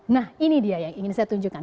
nah ini dia yang ingin saya tunjukkan